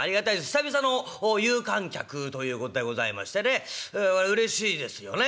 久々の有観客ということでございましてねうれしいですよね。